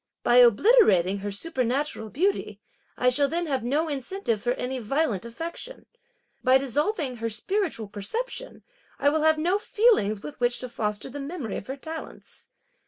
By obliterating her supernatural beauty, I shall then have no incentive for any violent affection; by dissolving her spiritual perception, I will have no feelings with which to foster the memory of her talents.